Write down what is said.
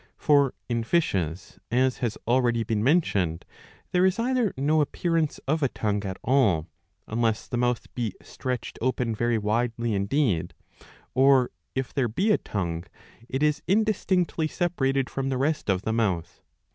For in fishes, as has already been mentioned, there is either no appearance of a tongue at all, unless the mouth be stretched open very widely indeed ; or, if there be a tongue, it is indistinctly separated from the rest of the mouth.